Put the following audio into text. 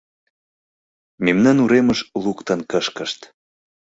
Мемнам уремыш луктын кышкышт.